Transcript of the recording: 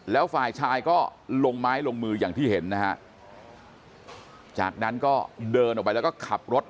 แล้วฝ่ายชายก็ลงไม้ลงมืออย่างที่เห็นนะฮะจากนั้นก็เดินออกไปแล้วก็ขับรถ